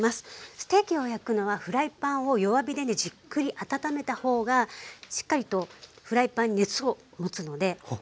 ステーキを焼くのはフライパンを弱火でねじっくり温めた方がしっかりとフライパンに熱を持つのでおすすめです。